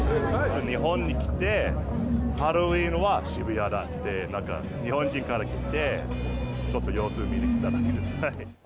日本に来て、ハロウィーンは渋谷だって、なんか日本人から聞いて、ちょっと様子見に来ただけです。